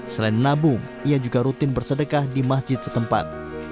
selain nabung ia juga rutin bersedekah di masjid setempat